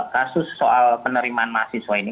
kasus soal penerimaan mahasiswa ini